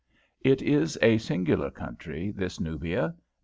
It is a singular country, this Nubia.